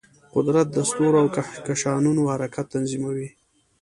قدرت د ستورو او کهکشانونو حرکت تنظیموي.